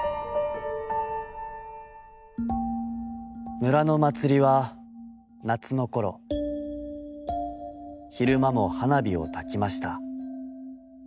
「村のまつりは夏のころ、ひるまも花火をたきました。